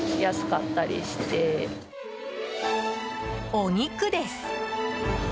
お肉です。